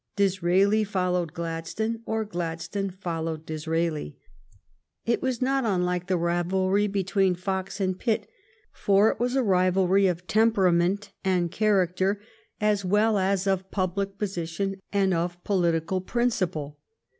Disraeli followed Gladstone, or Glad stone followed Disraeli. It was not unlike the rivalry between Fox and Pitt, for it was a rivalry of temperament and character as well as of pub lic position and of political principle.